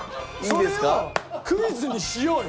それをクイズにしようよ。